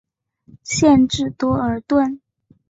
县治多尔顿。